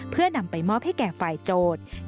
เพื่อนำไปมอบให้แก่ฝ่ายโจทย์